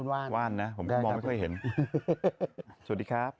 สวัสดีครับ